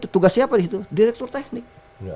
tugas siapa di situ direktur teknik